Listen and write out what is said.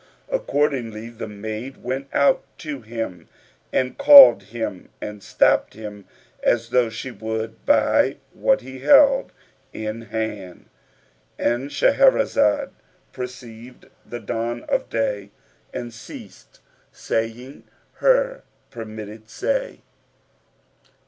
Accordingly the maid went out to him and and called him and stopped him as though she would buy what he held in hand.—And Shahrazad perceived the dawn of day and ceased saying her permitted say.